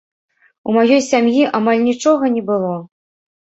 У маёй сям'і амаль нічога не было.